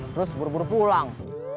terus buru buru pulang